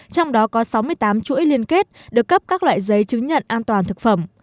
trong đó có sáu mươi tám chuỗi liên kết được cấp các loại giấy chứng nhận an toàn thực phẩm